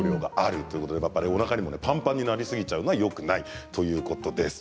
おなかにもぱんぱんになりすぎちゃうのもよくないということです。